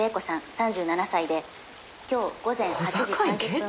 ３７歳で今日午前８時３０分頃」